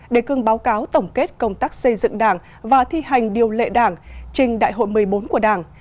đề cương báo cáo tổng kết công tác xây dựng đảng và thi hành điều lệ đảng trình đại hội một mươi bốn của đảng